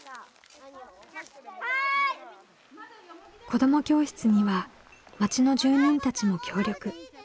子ども教室には町の住人たちも協力。